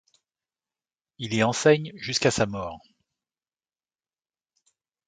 Il y enseigne jusqu'à sa mort.